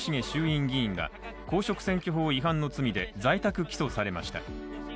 衆院議員が公職選挙法違反の罪で在宅起訴されました。